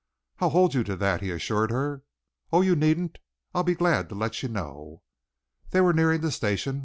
"I'll hold you to that," he assured her. "Oh, you needn't. I'll be glad to let you know." They were nearing the station.